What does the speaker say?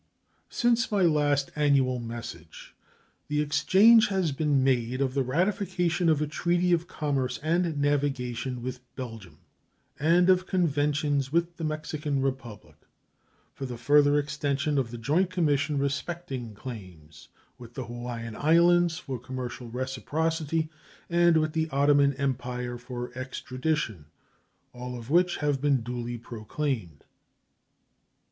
Since my last annual message the exchange has been made of the ratification of a treaty of commerce and navigation with Belgium, and of conventions with the Mexican Republic for the further extension of the joint commission respecting claims; with the Hawaiian Islands for commercial reciprocity, and with the Ottoman Empire for extradition; all of which have been duly proclaimed.